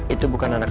itu bukan anak aku